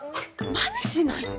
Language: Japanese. まねしないで！